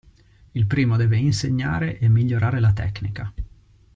Il primo deve insegnare e migliorare la tecnica.